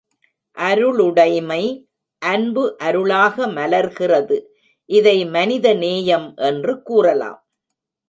அருளுடைமை அன்பு அருளாக மலர்கிறது இதை மனித நேயம் என்று கூறலாம்.